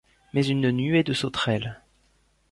Mais une nuée de sauterelles.